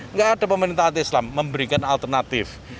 nggak ada pemerintah anti islam memberikan alternatif